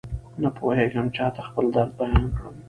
نپوهېږم چاته خپل درد بيان کړم.